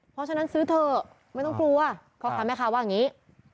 เพราะฉะนั้นซื้อเถอะไม่ต้องกลัวพ่อค้าแม่ค้าว่าอย่างนี้